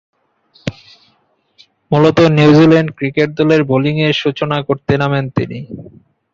মূলতঃ New Zealand cricket দলের বোলিংয়ের সূচনা করতে নামেন তিনি।